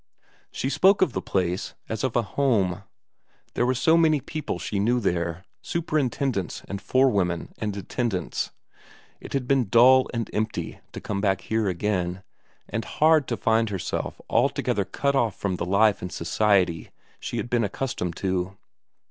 She spoke of the place as of a home; there were so many people she knew there, superintendents and forewomen and attendants, it had been dull and empty to come back here again, and hard to find herself altogether cut off from the life and society she had been accustomed to.